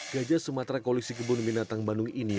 gajah sumatera koleksi kebun binatang bandung ini